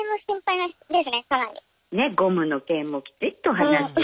ねっゴムの件もきちっと話し。